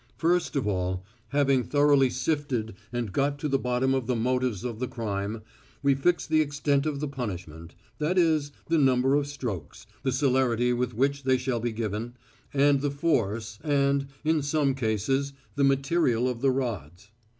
First of all, having thoroughly sifted and got to the bottom of the motives of the crime, we fix the extent of the punishment, that is, the number of strokes, the celerity with which they shall be given, and the force and, in some cases, the material of the rods.